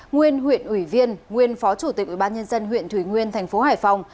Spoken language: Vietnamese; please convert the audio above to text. nguyên huyện ủy viên nguyên phó chủ tịch ubnd huyện thủy nguyên tp hcm